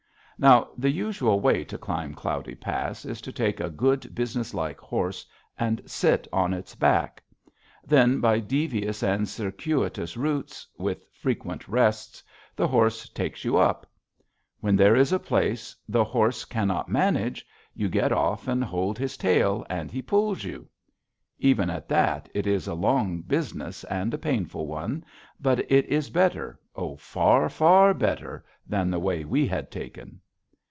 Now, the usual way to climb Cloudy Pass is to take a good businesslike horse and sit on his back. Then, by devious and circuitous routes, with frequent rests, the horse takes you up. When there is a place the horse cannot manage, you get off and hold his tail, and he pulls you. Even at that, it is a long business and a painful one. But it is better oh, far, far better! than the way we had taken.